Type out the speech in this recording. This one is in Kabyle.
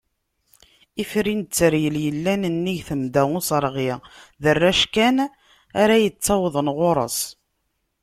Ifri n Tteryel, yellan nnig Temda n Userɣi, d arrac kan ara yettawḍen ɣur-s.